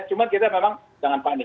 cuma kita memang jangan panik